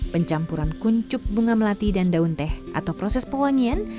pencampuran kuncup bunga melati dan daun teh atau proses pewangian